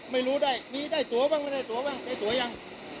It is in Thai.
ไม่รู้ได้มีได้ตัวบ้างไม่ได้ตัวบ้างได้ตัวยัง